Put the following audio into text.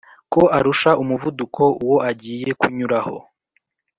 ko arusha umuvuduko uwo agiye kunyuraho